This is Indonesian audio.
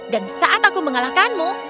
dan saat aku mengalahkanmu